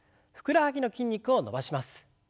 ふくらはぎの筋肉を伸ばします。